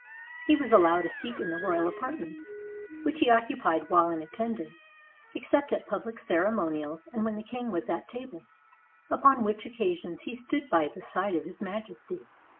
He was allowed a seat in the royal apartments, which he occupied while in attendance, except at public ceremonials and when the king was at table ; upon which occasions he stood by the side of His Majesty.